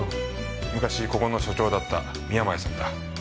昔ここの所長だった宮前さんだ。